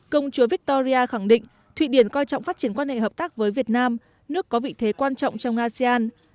công chúa victoria khẳng định thụy điển coi trọng phát triển quan hệ hợp tác với việt nam nước có vị thế quan trọng trong asean